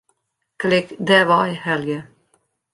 Klik Dêrwei helje.